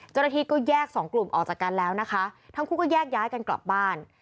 เจ้าหน้าที่ก็แยกสองกลุ่มออกจากกันแล้วนะคะทั้งคู่ก็แยกย้ายกันกลับบ้าน